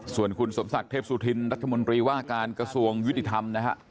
ส่วนคุณสมศักดิ์เทพสุธินรัฐมนตรีว่าการกระทรวงยุติธรรมนะฮะ